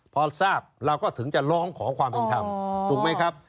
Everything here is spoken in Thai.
พอทราบเราก็ถึงจะร้องขอความเป็นธรรมถูกไหมครับ